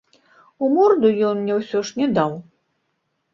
У морду ён мне ўсё ж не даў.